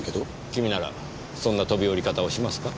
君ならそんな飛び降り方をしますか？